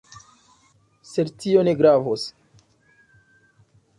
Sed tio ne gravos.